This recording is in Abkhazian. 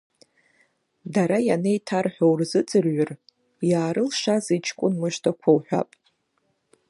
Дара ианеиҭарҳәо урзыӡырҩыр, иаарылшазеи ҷкәын мыждақәа, уҳәап…